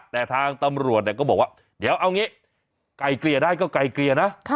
แต่ทางตำรวจก็บอกว่าเดี๋ยวเอางี้ไก่เกลี่ยได้ก็ไกลเกลี่ยนะ